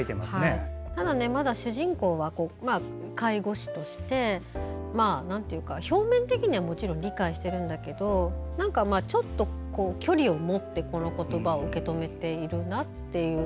まだ主人公は介護士として表面的にはもちろん理解してるんだけどちょっと距離を持ってこの言葉を受け止めているなっていう。